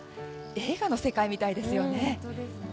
映画の世界みたいですよね。